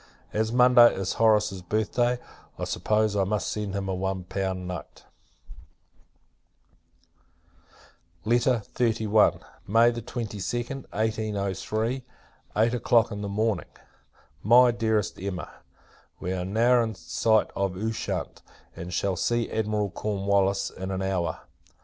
As Monday is Horace's birth day, I suppose I must send him a one pound note. LETTER XXXI. May 22d, [1803.] Eight o'Clock in the Morning. MY DEAREST EMMA, We are now in sight of Ushant, and shall see Admiral Cornwallis in an hour.